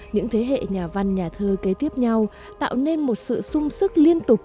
những thế hệ nhà văn nhà thơ kế tiếp nhau tạo nên một sự sung sức liên tục